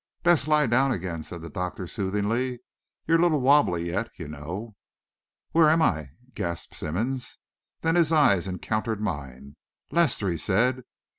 "Best lie down again," said the doctor soothingly. "You're a little wobbly yet, you know." "Where am I?" gasped Simmonds. Then his eyes encountered mine. "Lester!" he said.